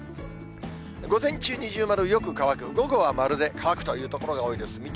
午前中、二重丸、よく乾く、午後は丸で、乾くという所が多いです。